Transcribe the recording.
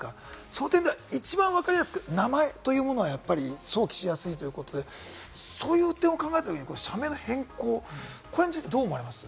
その点で一番わかりやすく名前というものはやっぱり想起しやすいということでそれを考えたときに社名の変更、これについてどう思われます？